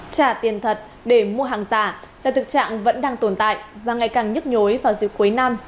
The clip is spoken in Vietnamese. trả tiền thật để mua hàng giả là thực trạng vẫn đang tồn tại và ngày càng nhức nhối vào dịp cuối năm